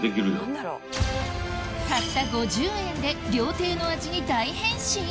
たった５０円で料亭の味に大変身？